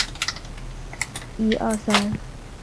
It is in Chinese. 肾耳唐竹为禾本科唐竹属下的一个种。